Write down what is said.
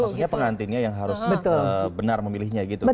maksudnya pengantinnya yang harus benar memilihnya gitu